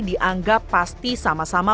dianggap pasti sama sama